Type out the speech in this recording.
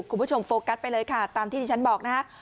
โฟกัสไปเลยค่ะตามที่ที่ฉันบอกนะฮะ